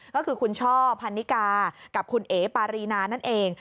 ก็คือคุณช่อพันนิกากับคุณเอ๋ปารีนานั่นเอง